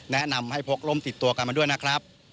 แนะนำให้พกร่มติดตัวกันมาด้วยนะครับ